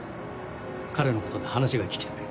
彼のことで話が聞きたい。